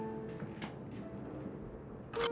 ah ini di atasnya